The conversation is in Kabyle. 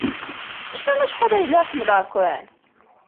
Tecfam acḥal ay lliɣ ḥemmleɣ-ken?